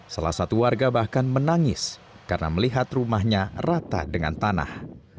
salah satu warga bahkan menangis karena melihat rumahnya rata dengan tanah